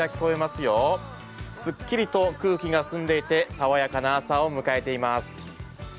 すっきりと空気が澄んでいて爽やかな朝を迎えています。